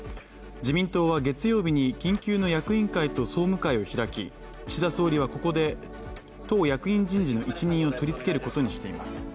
自民党は月曜日に緊急の役員会と総務会を開き、岸田総理はここで党役員人事の一任を取り付けることにしています。